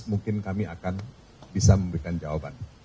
mungkin kami akan bisa memberikan jawaban